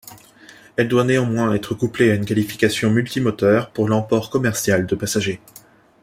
Elle doit néanmoins être couplée à une qualification multi-moteurs pour l'emport commercial de passagers.